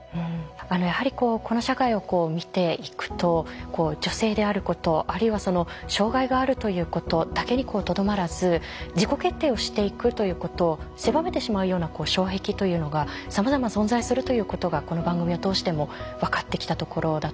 やはりこの社会を見ていくと女性であることあるいは障害があるということだけにとどまらず自己決定をしていくということを狭めてしまうような障壁というのがさまざま存在するということがこの番組を通しても分かってきたところだと思うんですよね。